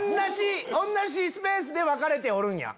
同じスペースで分かれてるんや。